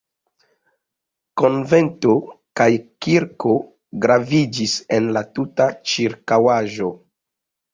Konvento kaj kirko graviĝis en la tuta ĉirkaŭaĵo.